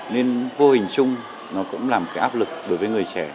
nên vô hình chung nó cũng là một áp lực đối với người trẻ ở đô thị